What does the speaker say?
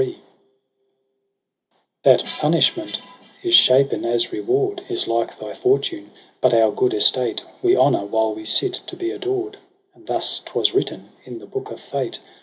P aio EROS 6 PSYCHE If ' That punishment is shapen as reward Is like thy fortune : but our good estate We honour, while we sit to be adored : And thus 'twas written in the book of Fate.